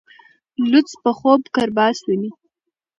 لڅ په خوب کرباس ويني.